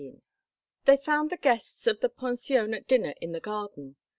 XIX They found the guests of the pension at dinner in the garden.